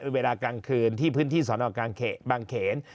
เวลากลางคืนที่พื้นที่สนกางเขน